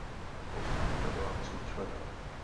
Posádka byla tříčlenná.